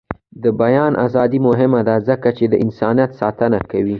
د بیان ازادي مهمه ده ځکه چې د انسانیت ساتنه کوي.